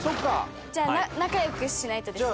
じゃあ仲良くしないとですね。